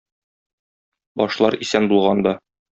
Башлар исән булганда.